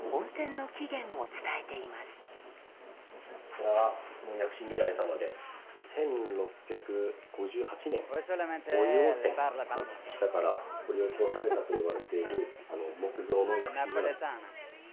こちらが薬師如来様で１６５８年大湯温泉の下から掘り起こされたと言われている木像の薬師如来です。